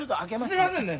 すいませんね